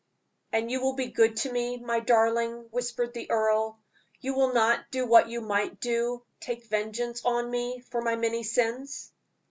"And you will be good to me, my darling?" whispered the earl. "You will not do what you might do take vengeance on me for my many sins?"